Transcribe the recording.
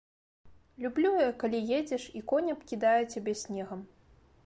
Люблю я, калі едзеш і конь абкідае цябе снегам.